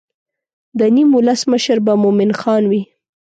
د نیم ولس مشر به مومن خان وي.